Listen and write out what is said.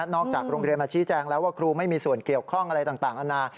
จากโรงเรียนมาชี้แจงแล้วว่าครูไม่มีส่วนเกี่ยวข้องอะไรต่างอาณา